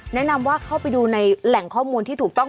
แนะนำว่าเข้าไปดูในแหล่งข้อมูลที่ถูกต้อง